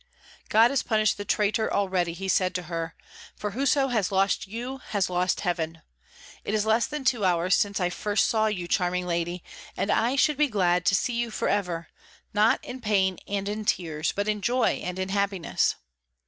"God has punished the traitor already," said he to her; "for whoso has lost you has lost heaven. It is less than two hours since I first saw you, charming lady, and I should be glad to see you forever, not in pain and in tears, but in joy and in happiness."